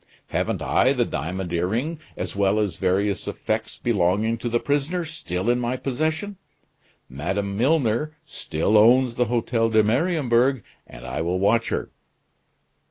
Haven't I the diamond earring, as well as various effects belonging to the prisoner, still in my possession? Madame Milner still owns the Hotel de Mariembourg, and I will watch her."